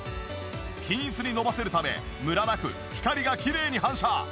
均一にのばせるためムラなく光がきれいに反射。